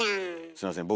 すいません